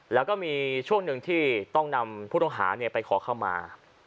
แล้วก็มีช่วงหนึ่งที่ต้องนำผู้ต้องหาไปขอเข้ามา